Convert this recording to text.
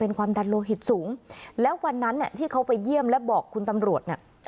เป็นความดันโลหิตสูงแล้ววันนั้นเนี่ยที่เขาไปเยี่ยมและบอกคุณตำรวจเนี่ย